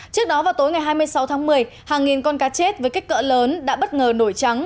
trước đó vào tối ngày hai mươi sáu tháng một mươi hàng nghìn con cá chết với kích cỡ lớn đã bất ngờ nổi trắng